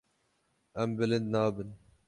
Em bilind nabin.